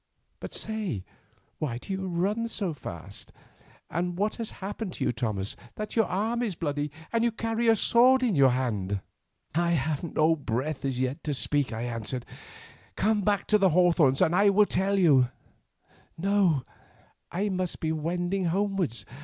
But say, why do you run so fast, and what has happened to you, Thomas, that your arm is bloody and you carry a sword in your hand?" "I have no breath to speak yet," I answered. "Come back to the hawthorns and I will tell you." "No, I must be wending homewards.